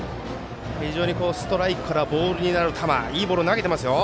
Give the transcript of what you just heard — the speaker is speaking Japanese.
ストライクからボールになるいいボールを投げていますよ。